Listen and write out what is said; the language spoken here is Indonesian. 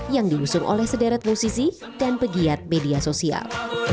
yang diusung oleh sederet musisi dan pegiat media sosial